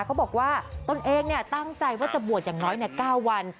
เขาบอกว่าตนเองตั้งใจว่าจะบวชอย่างน้อย๙วัน